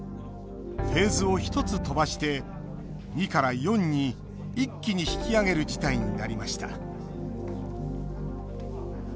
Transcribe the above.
フェーズを１つ飛ばして２から４に、一気に引き上げる事態になりました。